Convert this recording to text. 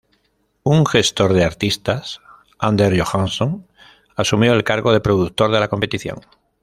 Un gestor de artistas, Anders Johansson, asumió el cargo de productor de la competición.